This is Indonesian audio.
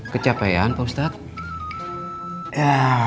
kecapean pak ustadz